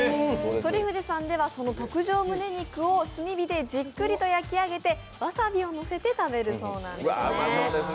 とり藤さんではその極上むね肉を炭火でじっくり焼き上げてわさびをのせて食べるそうなんですね。